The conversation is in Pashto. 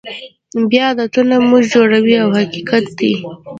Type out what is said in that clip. بیا عادتونه موږ جوړوي دا حقیقت دی.